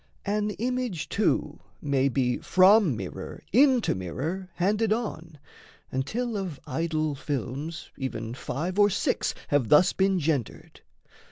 An image too may be From mirror into mirror handed on, Until of idol films even five or six Have thus been gendered.